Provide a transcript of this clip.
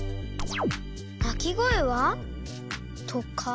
「なきごえは？」とか？